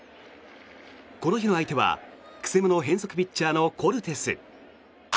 この日の相手は曲者変則ピッチャーのコルテス。